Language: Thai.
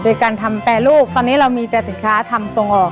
โดยการทำแปรรูปตอนนี้เรามีแต่สินค้าทำส่งออก